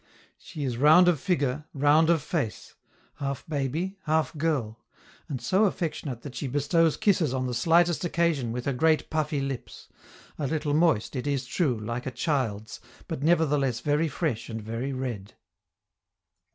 She is round of figure, round of face; half baby, half girl; and so affectionate that she bestows kisses on the slightest occasion with her great puffy lips a little moist, it is true, like a child's, but nevertheless very fresh and very red.